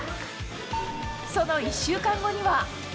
その１週間後には。